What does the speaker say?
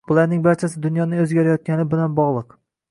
Bularning barchasi dunyoning oʻzgarayotgani bilan bogʻliq edi.